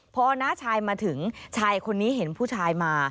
พอน้าชายมาถึงชายคนนี้เห็นผู้ชายมา